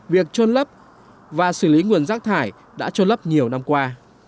việc trôn lấp và xử lý nguồn rác thải đã trôn lấp nhiều năm qua